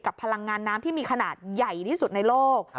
พลังงานน้ำที่มีขนาดใหญ่ที่สุดในโลก